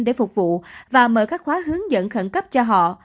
để phục vụ và mở các khóa hướng dẫn khẩn cấp cho họ